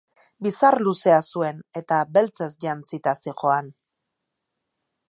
Bizar luzea zuen eta beltzez jantzita zihoan.